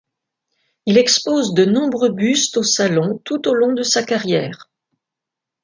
Il expose de nombreux bustes au Salon tout au long de sa carrière.